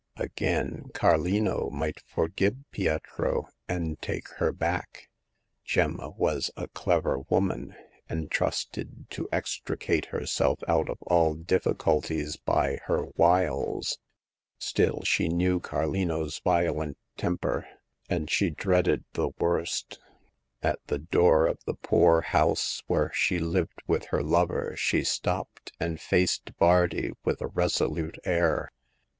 Again, Carlino might forgive Pietro, and take her back. Gemma was a clever woman, and trusted to extricate herself out of all difficulties by her wiles. Still, she knew Carlino's violent temper, and she dreaded the ^orst. At the door of the poor house where she lived with her lover she stopped, and faced Bardi with a resolute air.